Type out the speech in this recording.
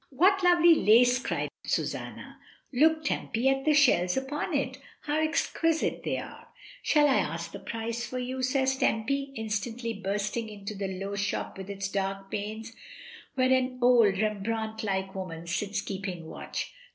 "What lovely lace!" cried Susanna. "Look, Tempy, at the shells upon it; how exquisite they are!" "Shall I ask the price for you?" says Tempy, instantly bursting into the low shop with its dark panes, where an old Rembrandt like woman sits keeping watch.